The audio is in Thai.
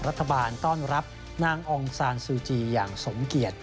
รัฐบาลต้อนรับนางองซานซูจีอย่างสมเกียจ